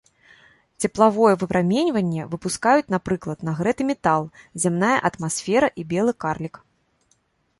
Цеплавое выпраменьванне выпускаюць, напрыклад, нагрэты метал, зямная атмасфера і белы карлік.